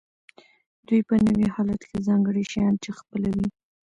دوی په نوي حالت کې ځانګړي شیان خپلوي.